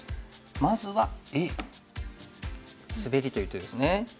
まずはＡスベリという手ですね。